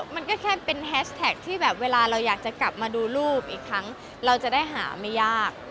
มันก็แค่เป็นแฮชแท็กที่แบบเวลาเราอยากจะกลับมาดูรูปอีกครั้งเราจะได้หาไม่ยาก